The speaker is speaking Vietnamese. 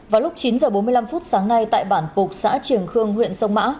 vào lúc chín h bốn mươi năm sáng nay tại bản bục xã triềng khương huyện sông mã